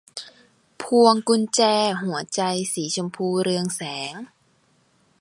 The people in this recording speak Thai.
พวงกุญแจหัวใจสีชมพูเรืองแสง